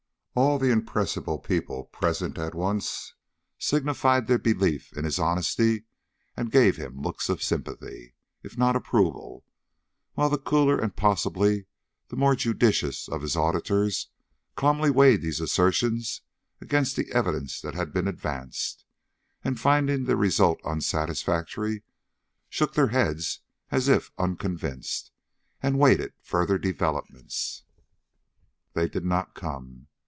All the impressible people present at once signified their belief in his honesty, and gave him looks of sympathy, if not approval; while the cooler and possibly the more judicious of his auditors calmly weighed these assertions against the evidence that had been advanced, and finding the result unsatisfactory, shook their heads as if unconvinced, and awaited further developments. They did not come.